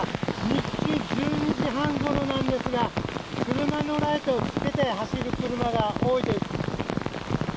日中１２時半ごろなんですが車のライトをつけて走る車が多いです。